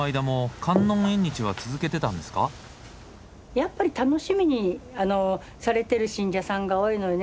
やっぱり楽しみにされてる信者さんが多いのよね。